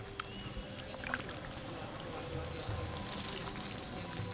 di saat yang sama petani subak juga membutuhkan air